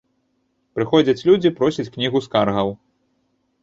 Прыходзяць людзі просяць кнігу скаргаў.